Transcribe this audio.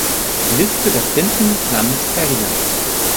Liste der Prinzen namens Ferdinand